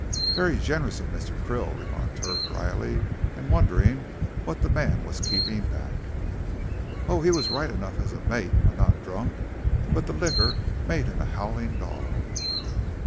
"Very generous of Mr. Krill," remarked Hurd, dryly, and wondering what the man was keeping back. "Oh, he was right enough as a mate when not drunk; but the liquor made a howling dorg of him.